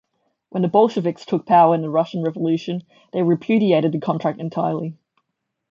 When the Bolsheviks took power in the Russian Revolution, they repudiated the contract entirely.